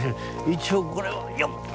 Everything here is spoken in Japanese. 一応これはよっ！